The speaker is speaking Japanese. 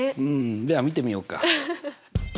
うんでは見てみようか。